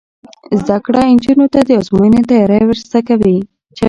زده کړه نجونو ته د ازموینې تیاری ور زده کوي.